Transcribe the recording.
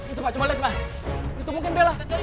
itu mungkin bella